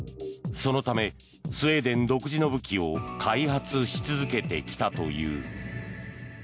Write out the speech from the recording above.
そのためスウェーデン独自の武器を開発し続けてきたという。